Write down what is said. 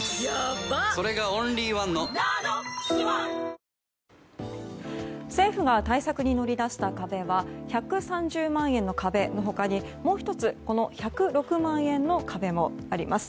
それがオンリーワンの「ＮＡＮＯＸｏｎｅ」政府が対策に乗り出した壁は１３０万円の壁の他にもう１つ１０６万円の壁もあります。